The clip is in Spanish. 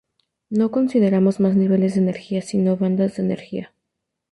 No consideramos más niveles de energía, sino "bandas" de energía.